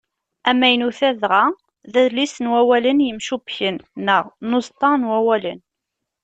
Amaynut-a dɣa, d adlis n wawalen yemcubbken, neɣ n uẓeṭṭa n wawalen.